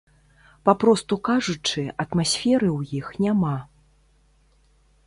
Папросту кажучы, атмасферы ў іх няма.